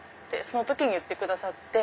その時に言ってくださって。